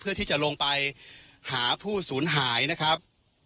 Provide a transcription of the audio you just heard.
เพื่อที่จะลงไปหาผู้สูญหายนะครับ